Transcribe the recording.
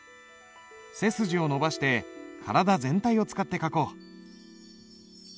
背筋を伸ばして体全体を使って書こう。